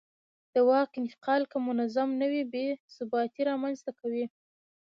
د واک انتقال که منظم نه وي بې ثباتي رامنځته کوي